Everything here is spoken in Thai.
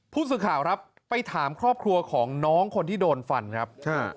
ผู้สื่อข่าวครับไปถามครอบครัวของน้องคนที่โดนฟันครับ